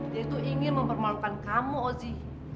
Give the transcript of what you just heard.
dia itu ingin mempermalukan kamu ozi